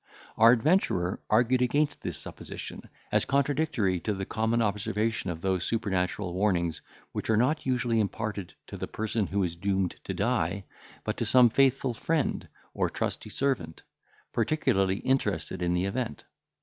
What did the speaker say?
Our adventurer argued against this supposition, as contradictory to the common observation of those supernatural warnings which are not usually imparted to the person who is doomed to die, but to some faithful friend, or trusty servant, particularly interested in the event.